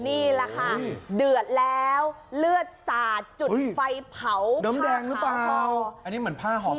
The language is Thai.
นี่ล่ะค่ะเดือดแล้วเลือดสาดจุดไฟเผาผ้าขาวอันนี้เหมือนผ้าห่อศพ